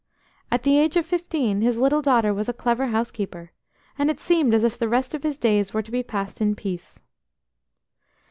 At the age of fifteen his little daughter was a clever housekeeper, and it seemed as if the rest of his days were to be passed in peace.